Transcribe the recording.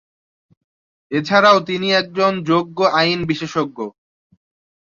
এছাড়াও তিনি একজন যোগ্য আইন বিশেষজ্ঞ।